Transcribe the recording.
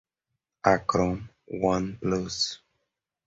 Acron, One Plus